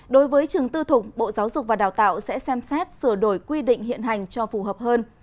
đối với trường tư thục bộ giáo dục và đào tạo sẽ xem xét sửa đổi quy định hiện hành cho phù hợp hơn